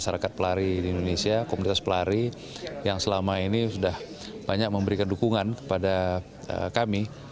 masyarakat pelari di indonesia komunitas pelari yang selama ini sudah banyak memberikan dukungan kepada kami